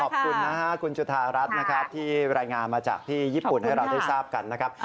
ขอบคุณคุณสุภารัสที่รายงานมาจากที่ญี่ปุ่นให้เราได้ทราบกันนะครับ